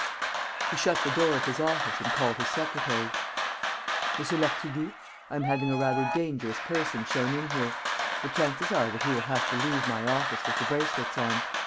He shut the door of his office and called his secretary: "M. Lartigue, I am having a rather dangerous person shown in here. The chances are that he will have to leave my office with the bracelets on.